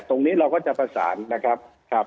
ตรงนี้เราก็จะประสานนะครับ